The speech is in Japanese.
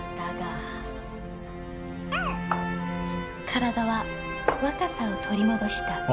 んっ体は若さを取り戻した。